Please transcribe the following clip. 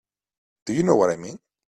Do you know what I mean?